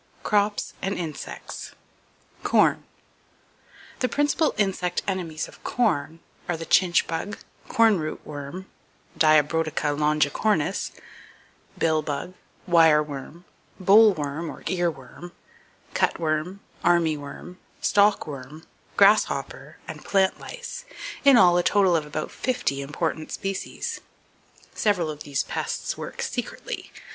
Crops And Insects. Corn. —The principal insect enemies of corn are the chinch bug, corn root worm (Diabrotica longicornis), bill bug, wire worm, [Page 209] boll worm or ear worm, cut worm, army worm, stalk worm, grasshopper, and plant lice, in all a total of about fifty important species! Several of these pests work secretly.